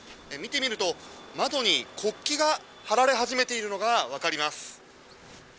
見てみると、窓に国旗が貼られ始めているのが分かります。